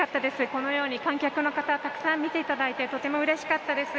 このように観客の方、たくさん見ていただいてとてもうれしかったです。